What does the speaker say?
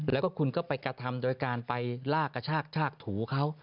แล้วก็คุณก็ไปกระทำโดยการไปลากกระชากชากถูเขา